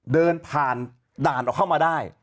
เดินผ่านด่านออกเข้ามาได้